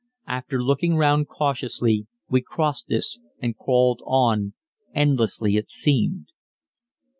After looking round cautiously we crossed this, and crawled on endlessly, it seemed.